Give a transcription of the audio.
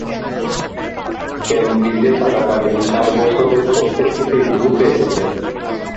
কেমব্রিজে থাকাকালীন চার বছরের প্রত্যেকটিতেই ব্লু পেয়েছিলেন।